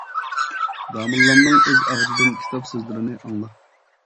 داموللامنىڭ ئۆز ئاغزىدىن كىتاب سۆزلىرىنى ئاڭلا!